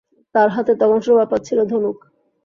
তার হাতে তখন শোভা পাচ্ছিল ধনুক।